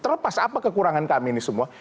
terlepas apa kekurangan kami ini semua